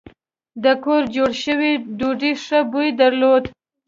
د کور جوړه شوې ډوډۍ ښه بوی درلود.